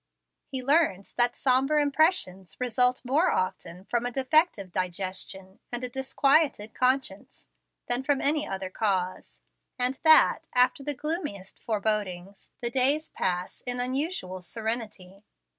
He learns that sombre impressions result more often from a defective digestion and a disquieted conscience than from any other cause; and that, after the gloomiest forebodings, the days pass in unusual serenity.